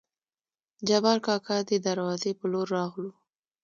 جبارکاکا دې دروازې په لور راغلو.